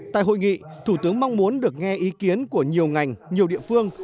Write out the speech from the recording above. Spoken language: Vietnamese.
tại hội nghị thủ tướng mong muốn được nghe ý kiến của nhiều ngành nhiều địa phương